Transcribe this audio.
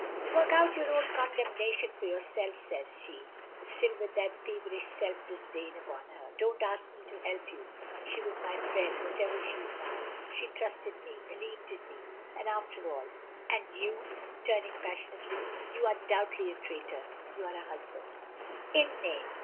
"Work out your own condemnation for yourself," says she, still with that feverish self disdain upon her. "Don't ask me to help you. She was my friend, whatever she is now. She trusted me, believed in me. And after all And you," turning passionately, "you are doubly a traitor, you are a husband." "In name!"